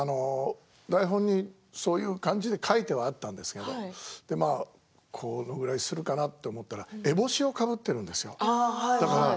台本にそういう感じで書いてはあったんですけどこのぐらいするかなと思ったらえぼしをかぶっているんですよ。